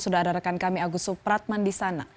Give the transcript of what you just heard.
sudah ada rekan kami agus supratman di sana